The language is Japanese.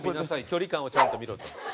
距離感をちゃんと見ろと。